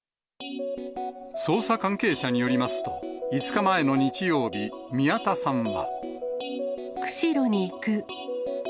捜査関係者によりますと、５日前の日曜日、宮田さんは。釧路に行く。